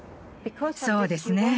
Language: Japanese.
そうですね。